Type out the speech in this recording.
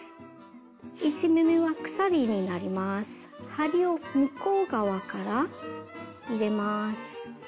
針を向こう側から入れます。